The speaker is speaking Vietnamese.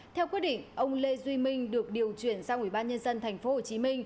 theo quyết định ông lê duy minh được điều chuyển sang ủy ban nhân dân tp hcm